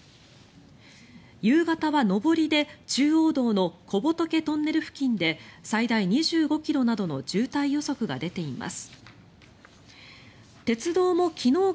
夕方は、上りで中央道の小仏トンネル付近で最大２５ｋｍなどの渋滞予測が出ています。